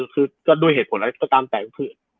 ก็ด้วยเหตุผลและการแตก